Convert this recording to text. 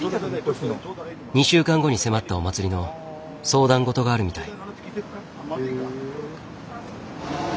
２週間後に迫ったお祭りの相談事があるみたい。